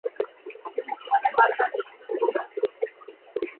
তিনি জীবনের বাদ-বাকী সময় মনে ধরে রেখেছিলেন।